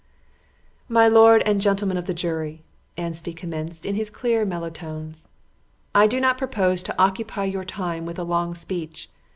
"My lord and gentlemen of the jury," Anstey commenced in his clear, mellow tones, "I do not propose to occupy your time with a long speech.